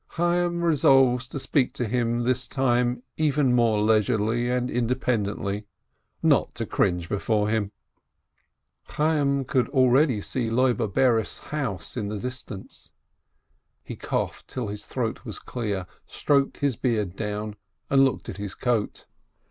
Chayyim resolves to speak to him this time even more leisurely and independently, not to cringe before him. THE CHAEITABLE LOAN 393 Chayyim could already see Loibe Bares' house in the distance. He coughed till his throat was clear, stroked his beard down, and looked at his coat.